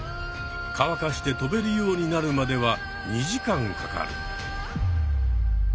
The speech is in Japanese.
かわかしてとべるようになるまでは２時間かかる。